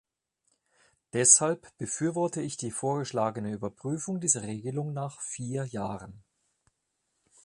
Deshalb befürworte ich die vorgeschlagene Überprüfung dieser Regelung nach vier Jahren.